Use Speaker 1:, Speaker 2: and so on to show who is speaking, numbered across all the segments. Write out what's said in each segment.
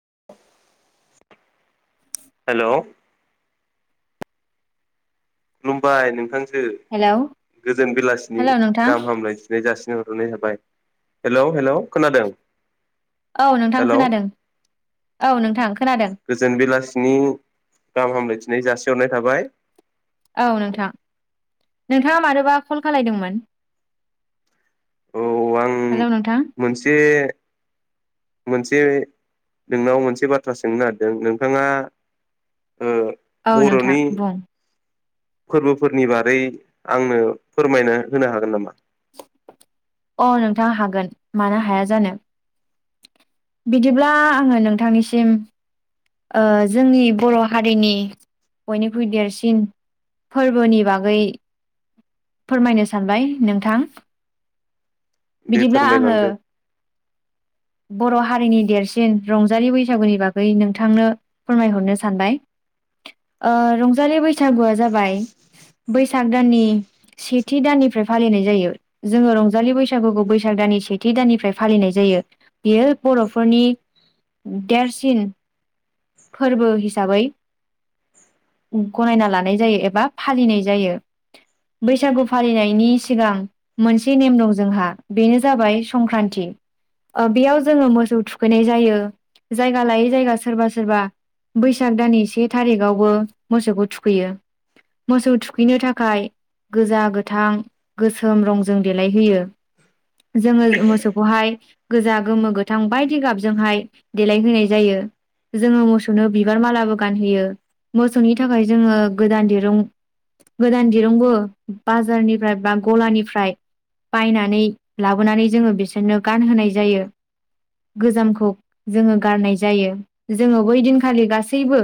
Speaker 1: [unintelligible] हेल' खुलुमबाय नोंथां जो
Speaker 2: हेलौ
Speaker 1: गोजोन बेलासिनि
Speaker 2: हेलौ नोंथां
Speaker 1: गाहाम हामलायथिनाय [unintelligible] थाबाय हेलौ हेल' खोनादों।
Speaker 2: औ नोंथां
Speaker 1: हेलौ
Speaker 2: खोनादों। औ नोंथां खोनादों
Speaker 1: गोजोन बेलासिनि गाहाम हामलायथि जासिहरनाय थाबाय।
Speaker 2: औ नोंथां नोंथाङा मानोबा कल खालायदोंमोन?
Speaker 1: औ आं
Speaker 2: हेलौ नोंथां
Speaker 1: मोनसे मोनसे नोंनाव मोनसे बाथ्रा सोंनो नागिरदों नोंथाङा ओ
Speaker 2: औ नोंथां
Speaker 1: बर'नि
Speaker 2: बुं
Speaker 1: फोरबोफोरनि बारै आंनो फोरमायनो होनो हागोन नामा?
Speaker 2: अ नोंथाङा हागोन मानो हाया जानो। बिदिब्ला आङो नोंथांनिसिम ओ जोंनि बर' हारिनि बयनिख्रुइ देरसिन फोरबोनि बागै फोरमायनो सानबाय नोंथां।
Speaker 1: दे
Speaker 2: बिदिब्ला आङो
Speaker 1: फोरमलांदो।
Speaker 2: बर' हारिनि देरसिन रंजालि बैसागुनि बागै नोंथांनो फोरमायहरनो सानबाय। ओ रंजालि बैसागुआ जाबाय बैसाग दाननि सेथि दान [unintelligible] फालिनाय जायो। जोङो रंजालि बैसागुखौ बैसाग दाननि सेथि दाननिफ्राय फालिनाय जायो। बे [unintelligible] बर'फोरनि देरसिन फोरबो हिसाबै गनायना लानाय जायो एबा फालिनाय जायो। बैसागु फालिनायनि सिगां मोनसे नेम दं जोंहा बेनो जाबाय संक्रान्ति। ओ बेयाव जोङो मोसौ थुखैनाय जायो। जायगा लायै जायगा सोरबा- सोरबा बैसाग दाननि से थारिखआवबो मोसौखौ थुखैयो। मोसौ थुखैनो थाखाय गोजा, गोथां, गोसोम रंजों देलायहोयो। जोङो मोसौखौहाय गोजा, गोमो, गोथां बायदि गाबजोंहाय देलायहोनाय जायो। जोङो मोसौनो बिबार मालाबो गानहोयो‌। मोसौनि थाखाय जोङो गोदान दिरुं गोदान दिरुंबो बाजारनिफ्राय बा गलानिफ्राय बायनानै लाबोनानै जोङो बिसोरनो गानहोनाय जायो। गोजामखौ जोङो गारनाय जायो। जोङो बै दिनखालि गासैबो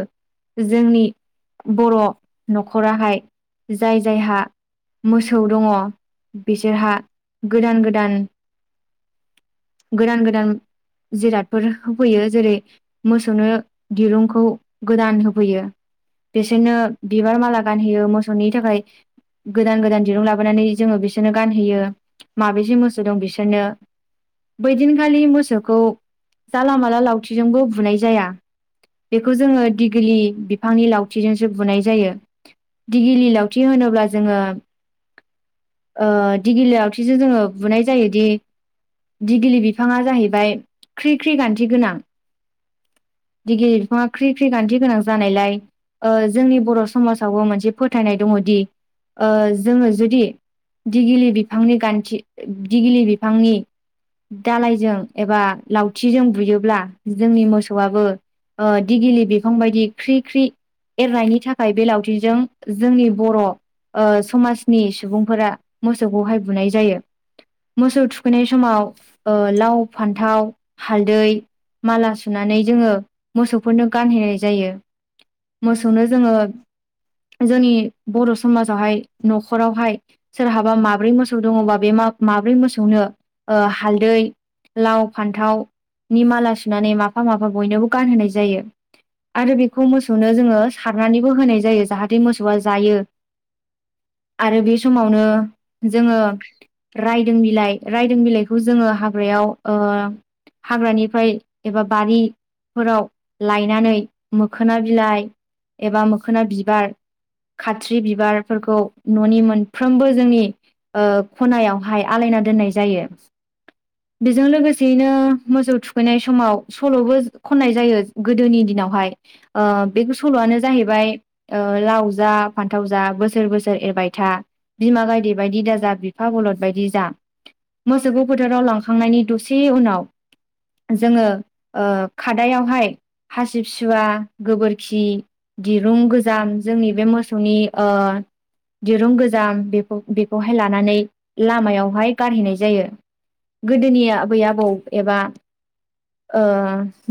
Speaker 2: जोंनि बर' न'खराहाय जाय जायहा मोसौ दङ बिसोरहा गोदान -गोदान गोदान- गोदान जिरादफोर होफैयो जेरै मोसौनो दिरुंखौ गोदान होफैयो। बिसोरनो बिबार माला गानहोयो मोसौनि थाखाय गोदान -गोदान दिरुं लाबोनानै जोङो बिसोरनो गानहोयो माबेसे मोसौ दं बिसोरनो। बैदिनखालि मोसौखौ जाला माला लावथिजोंबो बुनाय जाया। बेखौ जोङो दिगलि बिफांनि लावथिजोंसो बुनाय जायो। दिगिलि लावथि होनोब्ला जोङो ओ दिगिलि लावथिजों जोङो बुनाय जायोदि दिगिलि बिफाङा जाहैबाय ख्रि -ख्रि गान्थि गोनां।
Speaker 1: [unintelligible]
Speaker 2: दिगिलि बिफाङा ख्रि -ख्रि खान्थि गोनां जानायलाय ओ जोंनि बर' समाजावबो मोनसे फोथायनाय दङदि ओ जोङो जुदि दिगिलि बिफांनि गान्थि दिगिलि बिफांनि दालायजों एबा लावथिजों बुयोब्ला जोंनि मोसौआबो ओ दिगिलि बिफां बायदि ख्रि ख्रि एरनायनि थाखाय बेलावथिजों जोंनि बर' ओ समाजनि सुबुंफोरा मोसौखौहाय बुनाय जायो। मोसौ थुखैनाय समाव ओ लाव, फान्थाव, हालदै, माला सुनानै जोङो मोसौफोरनो गानहोनाय जायो। मोसौनो जोङो जोंनि बर' समाजावहाय न'खरावहाय सोरहाबा माब्रै मोसौ दङबा बे मा माब्रै मोसौनो ओ हालदै, लाव, फान्थाव नि माला सु नानै माफा माफा बयनोबो गानहोनाय जायो। आरो बेखौ मोसौनो जोङो सारनानैबो होनाय जायो जाहाथे मोसौआ जायो। आरो बे समावनो जोङो रायदों बिलाइ रायदों बिलाइखौ जोङो हाग्रायाव ओ हाग्रानिफ्राय एबा बारिफोराव लायनानै मोखोना बिलाइ, एबा मोखोना बिबार, खाथ्रि बिबारफोरखौ न'नि मोनफ्रोमबो जोंनि खनायावहाय आलायना दोननाय जायो। बेजों लोगोसेयैनो मोसौ थुखैनाय सम समाव सल'बो खननाय जायो गोदोनि दिनावहाय बे सल'आनो जाहैबाय। लाव जा फान्थाव जा बोसोर बोसोर एरबाय था बिमा गायदे बायदि दाजा बिफा बलद बायदि जा मोसौखौ फोथाराव लांखांनायनि दसे उनाव जोङो खादायावहाय हासिब सुवा गोबोरखि दिरुं गोजाम जोंनि बे मोसौनि दिरुं गोजाम बे बेखौहाय लानानै लामायावहाय गारहैनाय जायो गोदोनि आबै आबौ एबा
Speaker 1: [unintelligible]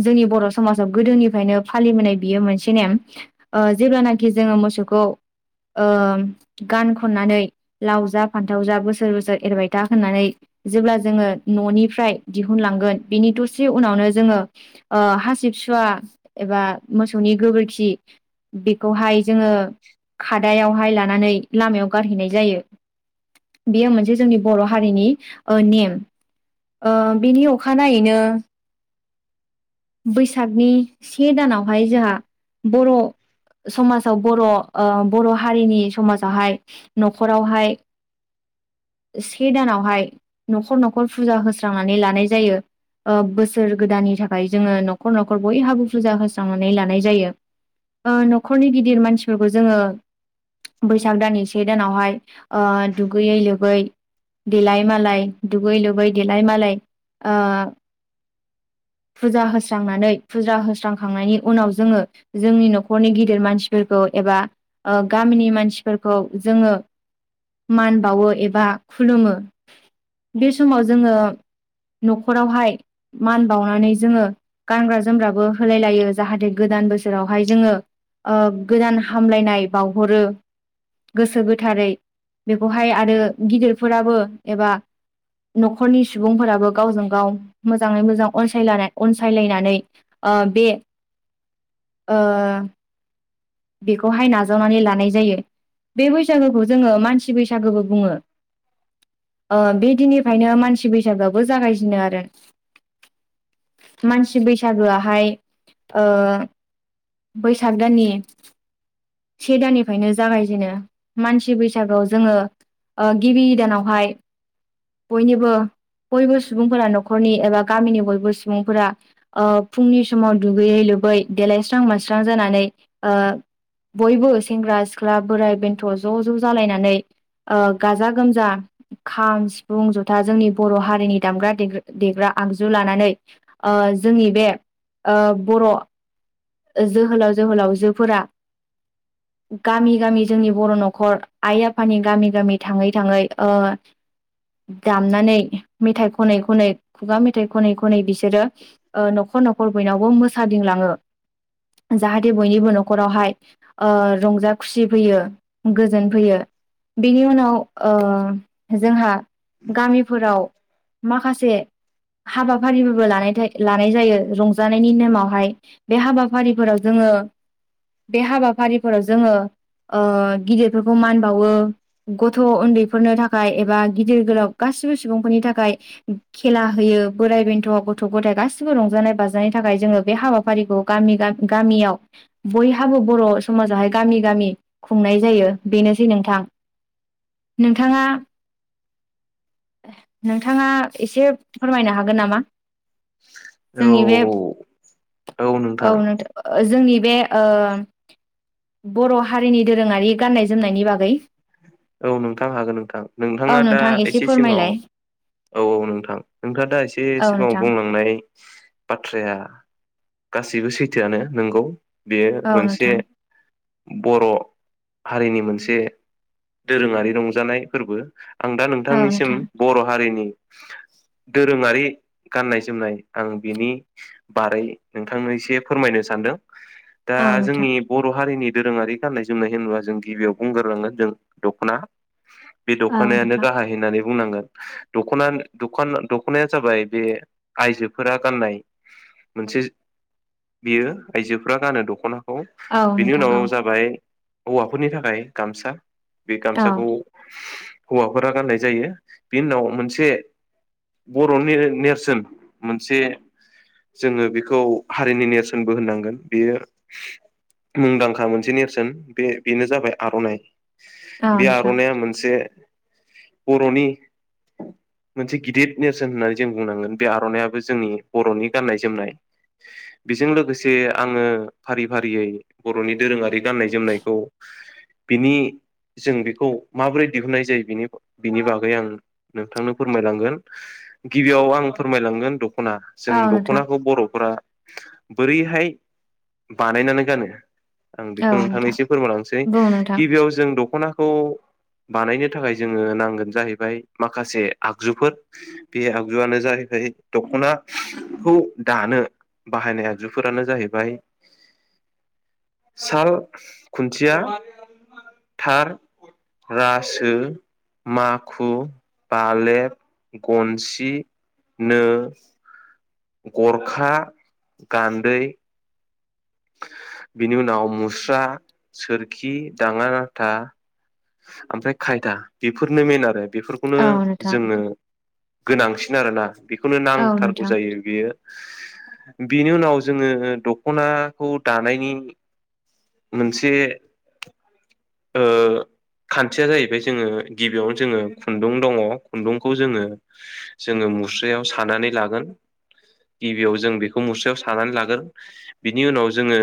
Speaker 2: जोंनि बर' समाजाव गोदोनिफ्रायनो फालिबोनाय बियो मोनसे नेम जेब्लानाखि बाखि जोङो मोसौखौ गान खननानै लाव जा फान्थाव जा बोसोर बोसोर एरबायथा होननानै जेब्ला जोङो न'निफ्राय दिहुनलांगोन बेनिथ' से उनावनो जोङो हासिबसुवा एबा मोसौनि गोबोरखि बेखौहाय जोङो खादायावहाय लानानै लामायाव गारहैनाय जायो। बेयो मोनसे जोंनि बर' हारिनि नेम बिनि अखानायैनो बैसागनि से दानावहाय जोंहा बर' समाजाव बर' बर' हारिनि समाजावहाय न'खरावहाय
Speaker 1: [unintelligible]
Speaker 2: से दानावहाय न'खर न'खर फुजा होस्रांनानै लानाय जायो। बोसोर गोदाननि थाखाय जोङो न'खर न'खर बयहाबो फुजा होस्रांनानै लानाय जायो। न'खरनि गिदिर मानसिफोरखौ जोङो बैसाग दाननि से दानावहाय दुगैयै लोबै देलाय मालाय दुगै लोबै देलाय मालाय
Speaker 1: [unintelligible]
Speaker 2: फुजा होस्रांनानै फुजा होस्रांखांनायनि उनाव जोङो जोंनि न'खरनि गिदिर मानसिफोरखौ एबा गामिनि मानसिफोरखौ जोङो मान बावो एबा खुलुमो। बे समाव जोङो न'खरावहाय मान बावनानै जोङो गानग्रा जोमग्राबो होलाय लायो जाहाथे गोदान बोसोरावहाय जोङो गोदान हामलायनाय बावहरो। गोसो गोथारै बेखौहाय आरो गिदिरफोराबो एबा न'खरनि सुबुंफोराबो गावजों गाव मोजाङै मोजां अनसायलानाय अनसायलायनानै बे बेखौहाय नाजावनानै लानाय जायो। बे बैसागोखौ जोङो मानसि बैसागोबो बुङो। बे दिननिफ्रायनो मानसि बैसागुआबो जागायजेनो आरो मानसि बैसागोआहाय बैसाग दाननि से दानानिफायनो जागायजेनो मानसि बैसागुआव जोङो ओ गिबि दानावहाय बयनिबो बयबो सुबुंफोरा न'खरनि एबा गामिनि बयबो सुबुंफोरा फुंनि समाव दुगैयै लोब बै देलायस्रां मोनस्रां जानानै ओ बयबो सेंग्रा सिख्ला बोराय बेन्थ' ज' ज' जालायनानै ओ गाजा गोमजा खाम सिफुं जथा जोंनि बर' हारिनि दामग्रा दग देग्रा आगजु लानानै ओ जोंनि बे ओ बर' जोहोलाव जोहोलावजोफोरा
Speaker 1: [inaudible]
Speaker 2: गामि गामि जोंनि बर' न'खर आइ आफानि गामि गामि थांङै थांङै ओ दामनानै मेथाइ खनै खनै खुगा मेथाइ खनै खनै बिसोरो ओ न'खर न'खर न'खर बयनावबो मोसादिं लाङो।
Speaker 1: [inaudible]
Speaker 2: जाहाथे बयनिबो न'खरावहाय ओ रंजा खुसि फैयो गोजोन फैयो। बिनि उनाव ओ जोंहा गामिफोराव माखासे हाबाफारिफोरबो लनायथाय लानाय जायो रंजानायनि नेमावहाय। बे हाबाफारिफोराव जोंङो बे हाबाफारिफोराव जोंङो ओ गिदिरफोरखौ मान बावो गथ' उन्दैफोरनो थाखाय एबा गिदिर गोलाव गास गासिबो सुबुंफोरनि थाखाय खेला होयो बोराइ बेन्थ' गथ' गथाय गासिबो रंजानाय बाजानाय थाखाय जोंङो बे हाबाखौ फारिखौ गामि गामियाव बयहाबो बर' समाजावहाय गामि गामि खुंनाय जायो। बेनोसै नोंथां।
Speaker 1: [inaudible]
Speaker 2: नोंथांङा नोंथांङा एसे फोरमायनो हागोन नामा
Speaker 1: औ
Speaker 2: जोंनि बे औ नोंथां जोंनि बे ओ बर' हारिनि दोरोंङारि गाननाय जोमनायनि बागै
Speaker 1: औ नोंथां हागोन नोंथां
Speaker 2: औ
Speaker 1: नोंथांङा दा
Speaker 2: नोंथां
Speaker 1: एसे सिगांङाव
Speaker 2: फोरमायलाय
Speaker 1: औ औ नोंथां नोंथांङा दा एसे
Speaker 2: औ
Speaker 1: सिगांङाव
Speaker 2: नोंथां
Speaker 1: बुंलांनाय बाथ्राया गासैबो सैथोआनो नोंगौ। बेयो
Speaker 2: औ
Speaker 1: मोनसे
Speaker 2: नोंथां
Speaker 1: बर' हारिनि मोनसे दोरोङारि रंजानाय फोरबो आं दा
Speaker 2: औ
Speaker 1: नोंथांनिसिम
Speaker 2: नोंथां
Speaker 1: बर' हा दोरोंङारि गाननाय जोमनाय आं बिनि बारै नोंथांनो एसे फोरमायनो सानदों। दा
Speaker 2: औ नोंथां
Speaker 1: जोंनि बर' हारिनि दोरोंङारि गाननाय जोमनाय होनोबा जों गिबियाव बुंग्रोलांगोन जों दख'ना बे
Speaker 2: औ
Speaker 1: दख'नायानो
Speaker 2: नोंथां
Speaker 1: गाहाय होननानै बुंनांगोन दख'ना दखान दख'नाया जाबाय बे आइजोफोरा गाननाय। मोनसे जि बियो आइजोफोरा गानो दख'नाखौ औ बिनि
Speaker 2: नोंथां
Speaker 1: उनाव
Speaker 2: औ
Speaker 1: जाबाय हौवाफोरनि थाखाय गामसा। बे
Speaker 2: औ
Speaker 1: गामसाखौ हौवाफोरा गाननाय जायो बेनि उनाव मोनसे बर'नि नेरसोन मोनसे जोंङो बेखौ हारिनि नेरसोनबो होननांगोन बेयो मुंदांखा मोनसे नेरसोन। बे बेनो जाबाय आर'नाइ।
Speaker 2: औ
Speaker 1: बे
Speaker 2: नोंथां
Speaker 1: आर'नाइया मोनसे बर'नि मोनसे गिदिर नेरसोन होननानै जों बुंनांगोन। बे आर'नाइयाबो जोंनि बर'नि गाननाय जोमनाय बेजों लोगोसे आङो फारि फारियै बर'नि दोरोंङारि गाननाय जोमनायखौ बिनि जों बेखौ माबोरै दिहुननाय जायो बिनि बिनि बागै आं नोंथांनो फोरमायलांगोन। गिबियाव आं फोरमायलांगोन द' ख'ना जों
Speaker 2: औ नोंथां
Speaker 1: दख'नाखौ बर'फोरा बोरैहाय बानायनानै गानो आं
Speaker 2: औ
Speaker 1: बेखौ नोंथांनो
Speaker 2: नोंथां
Speaker 1: एसे फोरमायलांनोसै।
Speaker 2: बुं नोंथां
Speaker 1: गिबियाव जों दख'नाखौ बानायनो थाखाय जोङो नांगोन जाहैबाय माखासे आगजुफोर। बे आगजुआनो जाहै [unintelligible] दख'नाखौ दानो बाहायनाय आगजुफोरानो जाहैबाय साल, खुन्थिया, थार, रासो माखु, बालेब, गनसि नो, गरखा, गान्दै, बेनि उनाव मुस्रा, सोरखि, दांङा नाथा, ओमफ्राय खायदा बेफोरनो मेन आरो बेफोरखौनो
Speaker 2: औ नोंथां
Speaker 1: जोङो गोनांसिन आरो ना। बेखौनो
Speaker 2: औ
Speaker 1: नांथारगौ
Speaker 2: नोंथां
Speaker 1: जायो बेयो बेनि उनाव जोङो दख'नाखौ दानायनि मोनसे ओ खान्थिया जाहैबाय जोङो गिबियावनो जोङो खुन्दुं दङ'। खुन्दुंखौ जोङो जो ङो मुस्रायाव सानानै लागोन। गिबियाव जों बेखौ मुस्रायाव सानानै लागोन। बिनि उनाव जोङो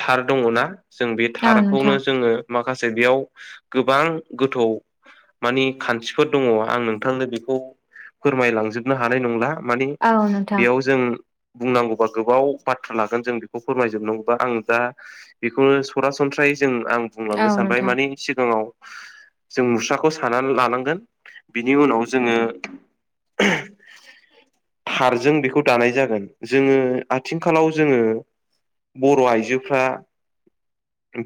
Speaker 1: थार दङ' ना। जों बे
Speaker 2: औ
Speaker 1: थारखौनो
Speaker 2: नोंथां
Speaker 1: जोङो माखासे बेयाव गोबां गोथौ मानि खान्थिफोर दङ' आं नोंथांनो बेखौ फोरमायलांजोबनो हानाय नंला। मानि
Speaker 2: औ नोंथां
Speaker 1: बेयाव जों बुंनांगौबा गोबाव बाथ्रा लागोन जों बेखौ फोरमायजोबनांगौबा आं दा बेखौनो सरासन जों आं बुंलांनो
Speaker 2: औ
Speaker 1: सानबाय
Speaker 2: नोंथां
Speaker 1: मानि सिगाङाव जों मुस्राखौ सानानै लानांगोन। बिनि उनाव जोङो [unintelligible] थारजों बेखौ दानाय जागोन। जोङो आथिंखालाव जोङो बर' आइजोफ्रा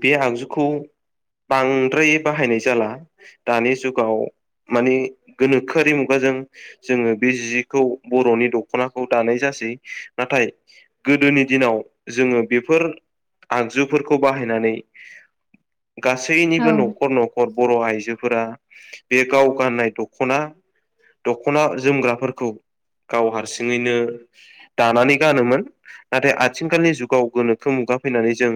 Speaker 1: बे आगजुखौ बांद्राय बाहायनाय जाला। दानि जुगाव माने गोनोखोआरि मुगाजों जोङो बे जिखौ बर'नि दख'नाखौ दानाय जा सै। नाथाय गोदोनि दिनाव जोङो बेफोर आगजुफोरखौ बाहाय नानै
Speaker 2: औ
Speaker 1: गासैनिबो न'खर न'खर बर' आइजोफोरा बे गाव गाननाय दख'ना दख'ना जोमग्राफोरखौ गाव हारसिङैनो दानानै गानोमोन। नाथाय आथिखालनि जुगाव गोनोखो मु गा फैनानै जों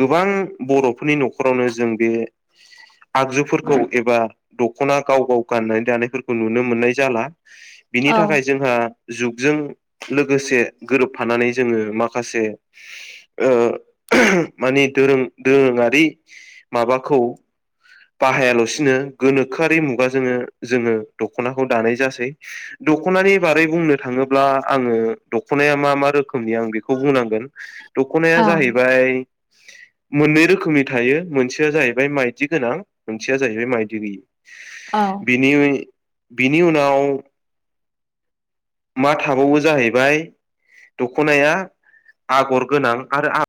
Speaker 1: गोबां बर'फोरनि न'खरावनो जों बे आगजुफोरखौ एबा दख'ना गाव गाव गाननानै दानायफोरखौ नुनो मोननाय जाला। बिनि
Speaker 2: औ
Speaker 1: थाखाय जोंहा जुगजों लोगोसे गोरोबफानानै जोङो माखासे ओ [unintelligible] मानि दोरों दोरोङारि माबाखौ बाहायाल'सिनो गोनोखोआरि मुगाजोंनो जोङो दख'नाखौ दानाय जासै। दख'नानि बारै बुंनो थाङोब्ला आङो दख'नाया मा मा रो खोमनि आं बेखौ बुंनांगोन। दख'नाया
Speaker 2: औ
Speaker 1: जाहैबाय मोननै रोखोमनि थायो। मोनसेया जाहैबाय माइदि गोनां मोनसेया जाहैबाय माइदि गैयि।
Speaker 2: औ
Speaker 1: बिनि बिनि उनाव मा थाबावो जाहैबाय दख'नाया आगर गोनां आरो आग